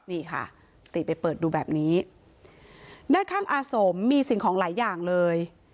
นี่ค่ะติไปเปิดดูแบบนี้ด้านข้างอาสมมีสิ่งของหลายอย่างเลย